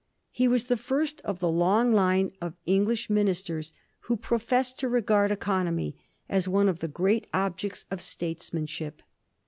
He was the first of the long line of English ministers who professed to regard economy as one of the great objects of statesmanship.